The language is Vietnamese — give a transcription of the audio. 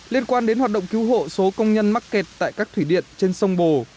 liên quan đến hoạt động cứu hộ số công nhân mắc kẹt tại các thủy điện trên sông bồ